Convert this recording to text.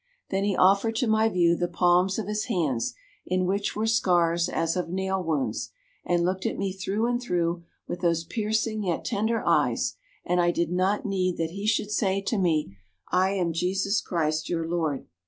"Then he offered to my view the palms of his hands, in which were scars as of nail wounds, and looked me through and through with those piercing yet tender eyes; and I did not need that he should say to me, 'I am Jesus Christ, your Lord.'